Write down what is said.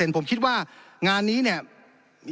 ผมคิดว่างานนี้เนี่ย